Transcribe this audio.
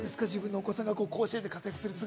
お子さんが甲子園で活躍する姿。